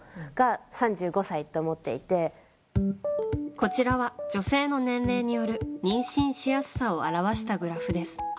こちらは、女性の年齢による妊娠しやすさを表したグラフです。